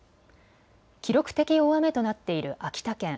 記録的大雨となっている秋田県。